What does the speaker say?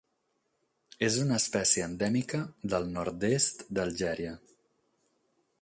És una espècie endèmica del nord-est d'Algèria.